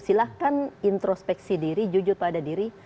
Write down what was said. silahkan introspeksi diri jujur pada diri